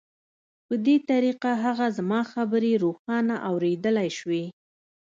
په دې طریقه هغه زما خبرې روښانه اورېدلای شوې